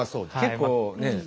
結構ね。